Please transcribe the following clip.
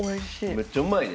めっちゃうまいで！